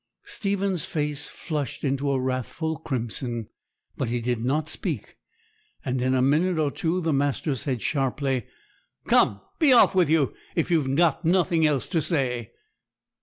Stephen's face flushed into a wrathful crimson, but he did not speak; and in a minute or two the master said sharply, 'Come, be off with you, if you've got nothing else to say.'